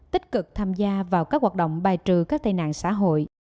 tích cực tham gia vào các hoạt động bài trừ các tai nạn xã hội